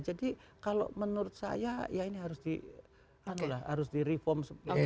jadi kalau menurut saya ya ini harus di reform